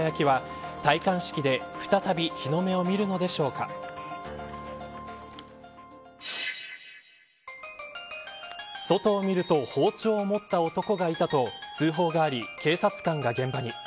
外を見ると包丁を持った男がいたと通報があり警察官が現場に。